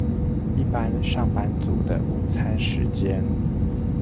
一般上班族的午餐時間